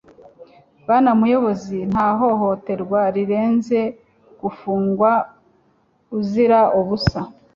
Bwana muyobozi nta hohoterwa rirenze gufungwa uzira ubusa